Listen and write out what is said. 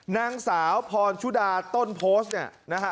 นางสาวพรชุดาต้นโพสต์เนี่ยนะฮะ